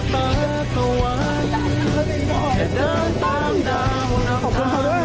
ขอบคุณครับ